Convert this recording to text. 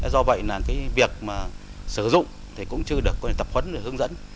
do vậy là cái việc mà sử dụng thì cũng chưa được tập huấn hướng dẫn